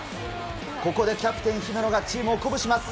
ここでキャプテン、姫野がチームを鼓舞します。